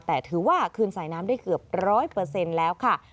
แต่ถือว่าคืนสายน้ำได้เกือบร้อยเปอร์เซ็นต์แล้วค่ะ